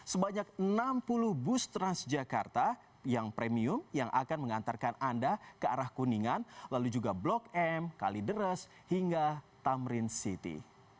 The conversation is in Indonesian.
sebanyak enam puluh bus transjakarta yang premium yang akan mengantarkan anda ke arah kuningan lalu juga blok m kalideres hingga tamrin city